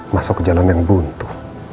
masuk ke jalan yang buntu